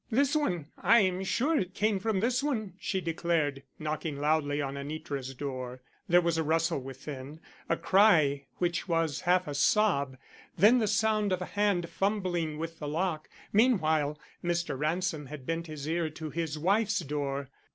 "This one. I am sure it came from this one," she declared, knocking loudly on Anitra's door. There was a rustle within, a cry which was half a sob, then the sound of a hand fumbling with the lock. Meanwhile, Mr. Ransom had bent his ear to his wife's door.